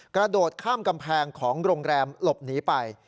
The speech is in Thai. กระโดดข้ามกำแพงของโรงแรมหลบหนีไป